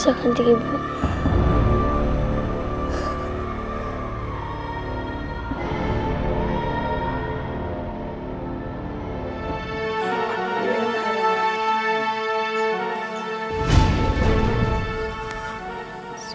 siapa yang akan berpisahkan lain dengandisku